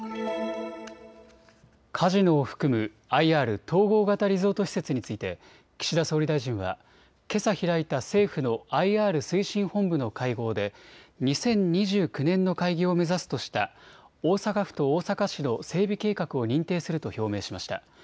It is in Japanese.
カジノを含むＩＲ・統合型リゾート施設について岸田総理大臣はけさ開いた政府のＩＲ推進本部の会合で２０２９年の開業を目指すとした大阪府と大阪市の整備計画を認定すると表明しました。